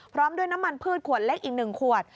พร้อมด้วยน้ำมันพืชขวดเล็กอีก๑ขวด